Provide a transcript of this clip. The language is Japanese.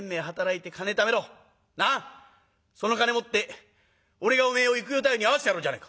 その金持って俺がおめえを幾代太夫に会わせてやろうじゃねえか」。